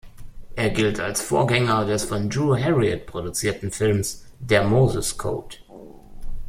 Er gilt als Vorgänger des von Drew Heriot produzierten Films Der Moses Code.